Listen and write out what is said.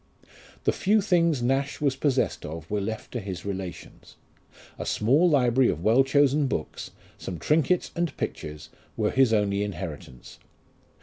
The few things Nash was possessed of were left to his relations. A small library of well chosen books, some trinkets and pictures, were his only inheritance.